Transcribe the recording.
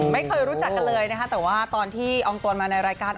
ไม่เคยรู้จักกันเลยนะคะแต่ว่าตอนที่อองตวนมาในรายการ